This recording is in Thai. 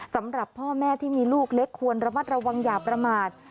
สำหรับพ่อแม่ที่มีลูกเล็กควรระมัดระวังอย่าประมาท